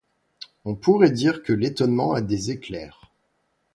On pourrait dire que l’étonnement a des éclairs.